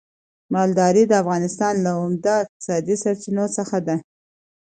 مالداري د افغانستان له عمده اقتصادي سرچينو څخه ده.